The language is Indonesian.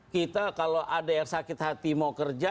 kita kalau ada yang sakit hati mau kerja